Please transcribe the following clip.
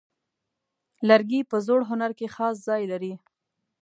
لرګی په ژور هنر کې خاص ځای لري.